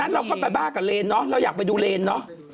ตอนนั้นเราเข้าไปบ้ากับเรนเราอยากไปดูเรน